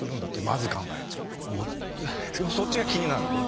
そっちが気になるの。